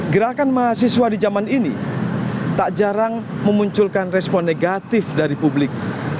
gerakan mahasiswa di zaman ini tak jarang memunculkan respon negatif dari publik